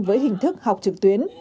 với hình thức học trực tuyến